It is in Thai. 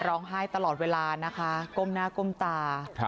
ร้องไห้ตลอดเวลานะคะก้มหน้าก้มตา